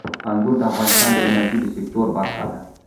انګور د افغانستان د انرژۍ د سکتور برخه ده.